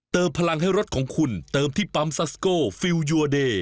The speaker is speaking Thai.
พลังให้รถของคุณเติมที่ปั๊มซัสโกฟิลยูอเดย์